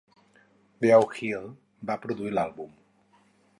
Beau Hill va produir l'àlbum.